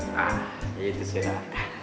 nah itu sih